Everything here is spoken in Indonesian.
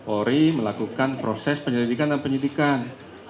ori melakukan proses penyelidikan dan penyidikan